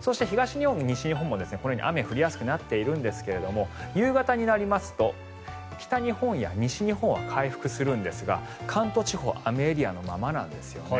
そして、東日本も西日本もこのように雨が降りやすくなっているんですが夕方になりますと北日本や西日本は回復するんですが関東地方雨エリアのままなんですよね。